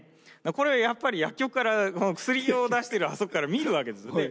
これはやっぱり薬局から薬を出してるあそこから見るわけですね。